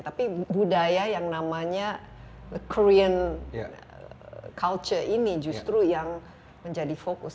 tapi budaya yang namanya korean culture ini justru yang menjadi fokus